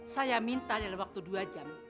saya minta dalam waktu dua jam